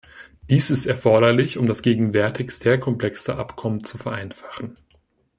Dies ist erforderlich, um das gegenwärtig sehr komplexe Abkommen zu vereinfachen.